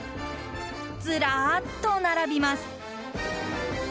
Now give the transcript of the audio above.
ずらーっと並びます。